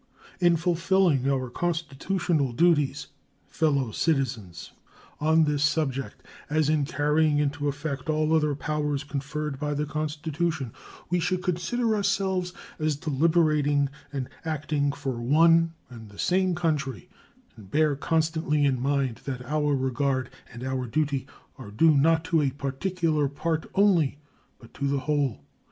In fulfilling our constitutional duties, fellow citizens, on this subject, as in carrying into effect all other powers conferred by the Constitution, we should consider ourselves as deliberating and acting for one and the same country, and bear constantly in mind that our regard and our duty are due not to a particular part only, but to the whole.